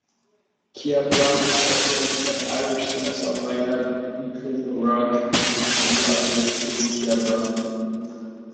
Kyabram is referenced by Irish singer-songwriter Declan O'Rourke on his debut album "Since Kyabram".